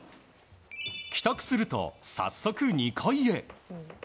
帰宅すると、早速２階へ。